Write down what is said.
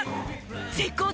絶好調！